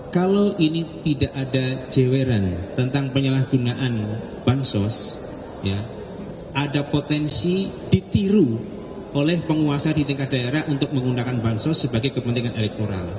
kalau ini tidak ada jeweran tentang penyalahgunaan bansos ada potensi ditiru oleh penguasa di tingkat daerah untuk menggunakan bansos sebagai kepentingan elektoral